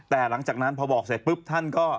แต่หลังจากนั้นพอบอกเสร็จปุ๊บท่านก็